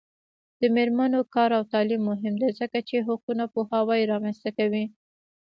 د میرمنو کار او تعلیم مهم دی ځکه چې حقونو پوهاوی رامنځته کوي.